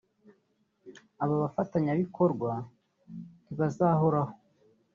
Aba bafatanyabikorwa ntibazahoraho